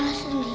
nyasar di sini